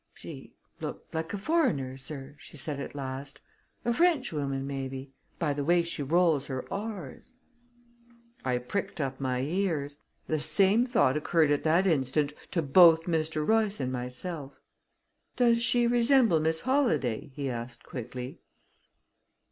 "She looked like a foreigner, sir," she said at last. "A Frenchwoman, maybe, by the way she rolls her r's." I pricked up my ears. The same thought occurred at that instant to both Mr. Royce and myself. "Does she resemble Miss Holladay?" he asked quickly.